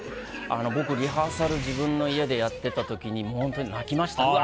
僕、リハーサル自分の家でやってた時に泣きましたね。